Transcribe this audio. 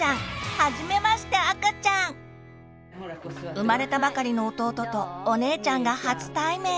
生まれたばかりの弟とお姉ちゃんが初対面。